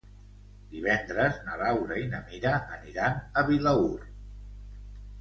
Divendres na Laura i na Mira aniran a Vilaür.